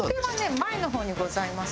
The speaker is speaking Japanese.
前の方にございます。